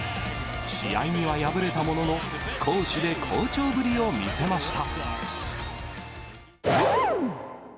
試合には敗れたものの、攻守で好調ぶりを見せました。